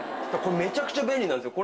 めちゃくちゃ便利なんですよ